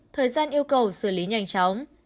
thời gian yêu cầu xử lý nhanh chóng